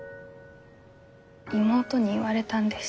妹に言われたんです。